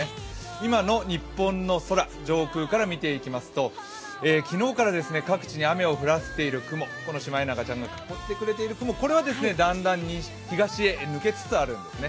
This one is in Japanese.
今の日本の空、上空から見ていきますと昨日から各地に雨を降らせている雲、このシマエナガちゃんが囲ってくれている雲、これはだんだん東へ抜けつつあるんですね。